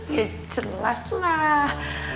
ya jelas lah